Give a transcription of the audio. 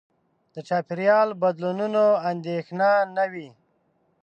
د چاپېریال بدلونونو اندېښنه نه وي.